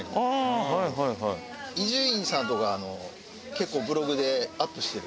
伊集院さんとか結構ブログでアップしてる。